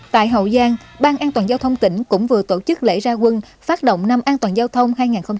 tại hậu giang ban an toàn giao thông tỉnh cũng vừa tổ chức lễ gia quân phát động năm an toàn giao thông hai nghìn một mươi sáu